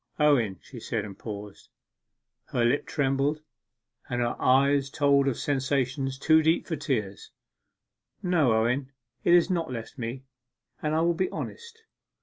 'Owen,' she said, and paused. Her lip trembled; her eye told of sensations too deep for tears. 'No, Owen, it has not left me; and I will be honest.